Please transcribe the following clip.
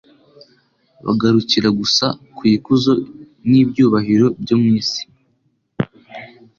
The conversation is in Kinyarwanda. bagarukira gusa ku ikuzo n'ibyubahiro byo mu isi.